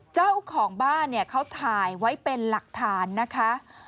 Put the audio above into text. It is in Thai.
เจ้าของบ้านเนี่ยเขาถ่ายไว้เป็นหลักฐานนะคะ